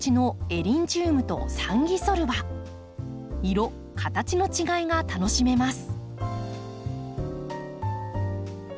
色形の違いが楽しめます。